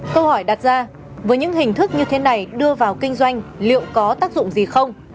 câu hỏi đặt ra với những hình thức như thế này đưa vào kinh doanh liệu có tác dụng gì không